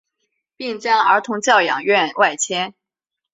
并将儿童教养院外迁。